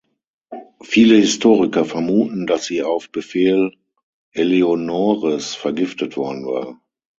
Viele Historiker vermuten, dass sie auf Befehl Eleonores vergiftet worden war.